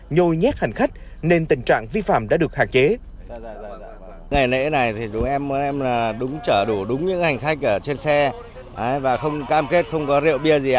nhôi nhét hành khách nên tình trạng vi phạm đã được hạn chế